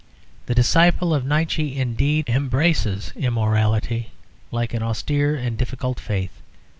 The disciple of Nietzsche, indeed, embraces immorality like an austere and difficult faith.